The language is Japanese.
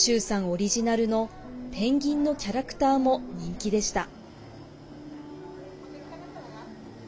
オリジナルのペンギンのキャラクターも人気でした。